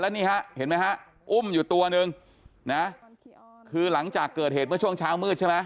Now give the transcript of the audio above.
นี่ฮะเห็นไหมฮะอุ้มอยู่ตัวหนึ่งนะคือหลังจากเกิดเหตุเมื่อช่วงเช้ามืดใช่ไหม